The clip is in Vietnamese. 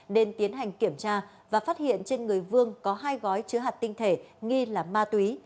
nên tiến hành kiểm tra và phát hiện trên người vương có hai gói chứa hạt tinh thể nghi là ma túy